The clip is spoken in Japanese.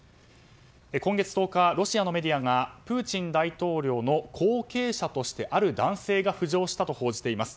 今月１０日、ロシアのメディアがプーチン大統領の後継者として、ある男性が浮上したと報じています。